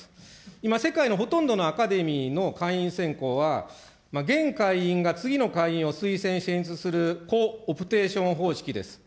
今、世界のほとんどのアカデミーの会員選考は、現会員が次の会員を推薦して選出するオプテーション方式です。